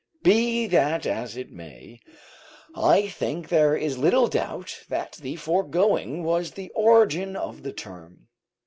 Be that as it may, I think there is little doubt that the foregoing was the origin of the term.